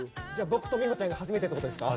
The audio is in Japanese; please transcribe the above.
僕とみほちゃんが初めてってことですか。